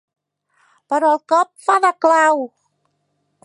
Però el cop fa de clau.